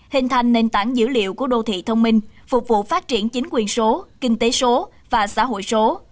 hình thành nền tảng dữ liệu của đô thị thông minh phục vụ phát triển chính quyền số kinh tế số và xã hội số